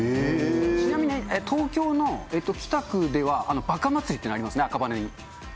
ちなみに東京の北区ではばかまつりっていうのありますね、赤羽に。